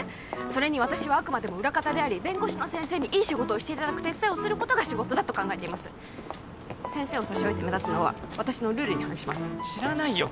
それに私はあくまでも裏方であり弁護士の先生にいい仕事をしていただく手伝いをすることが仕事だと考えています先生を差し置いて目立つのは私のルールに反します知らないよ